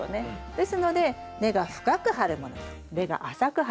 ですので根が深く張るものと根が浅く張るもの